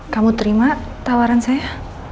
kamu terima tawaran saya